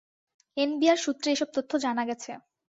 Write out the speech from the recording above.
NBR সূত্রে এসব তথ্য জানা গেছে।